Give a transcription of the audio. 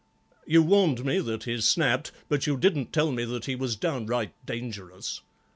You warned me that he snapped, but you didn't tell me that he was downright dangerous.